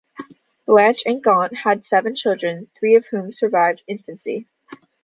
Blanche and Gaunt had seven children, three of whom survived infancy.